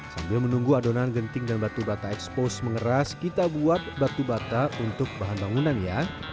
sambil menunggu adonan genting dan batu bata expose mengeras kita buat batu bata untuk bahan bangunan ya